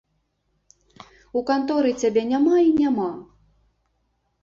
У канторы цябе няма і няма.